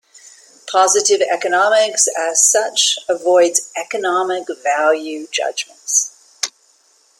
Positive economics as such avoids economic value judgements.